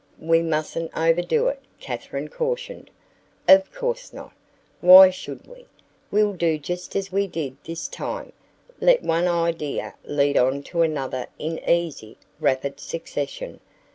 "We mustn't overdo it," Katherine cautioned. "Of course not. Why should we? We'll do just as we did this time let one idea lead on to another in easy, rapid succession.